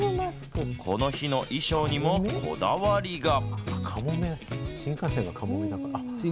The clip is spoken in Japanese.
この日の衣装にもこだわりが。